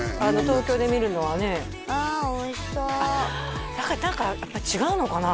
東京で見るのはねああおいしそう何かやっぱ違うのかな？